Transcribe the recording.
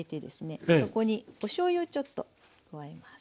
そこにおしょうゆをちょっと加えます。